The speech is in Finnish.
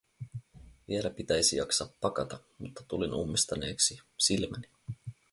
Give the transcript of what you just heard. Vielä pitäisi jaksaa pakata, mutta tulin ummistaneeksi silmäni.